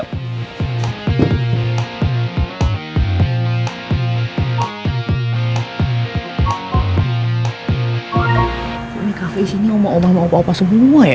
kok ini cafe ini omah omah sama opa opa semua ya